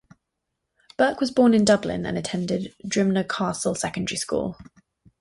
Burke was born in Dublin and attended Drimnagh Castle Secondary School.